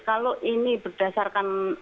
kalau ini berdasarkan